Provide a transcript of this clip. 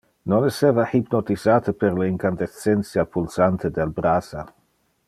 Nos esseva hypnotisate per le incandescentia pulsante del brasa.